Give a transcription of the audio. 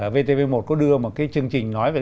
vtv một có đưa một cái chương trình nói về